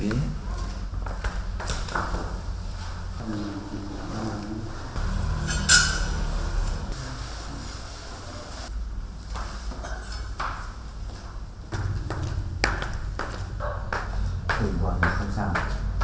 chỉ còn chóng cổ này